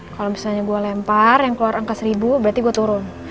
kalo misalnya gua lempar yang keluar angka seribu berarti gua turun